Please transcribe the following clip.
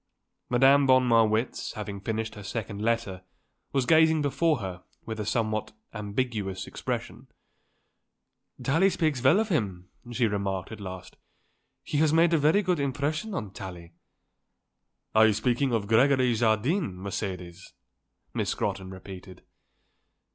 Madame von Marwitz, having finished her second letter, was gazing before her with a somewhat ambiguous expression. "Tallie speaks well of him," she remarked at last. "He has made a very good impression on Tallie." "Are you speaking of Gregory Jardine, Mercedes?" Miss Scrotton repeated.